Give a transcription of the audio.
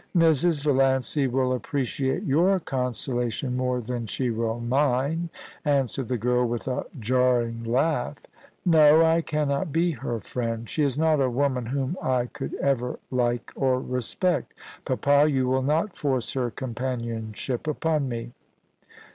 * Mrs. Valiancy will appreciate your consolation more than she will mine,' answered the girl with a jarring laugh. * No, I cannot be her friend. She is not a woman whom I could ever like or respect Papa, you will not force her companionship upon me.'